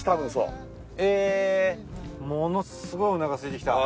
ものすごいおなかすいてきた。